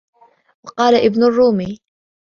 وَقَالَ ابْنُ الرُّومِيِّ